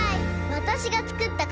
わたしがつくったか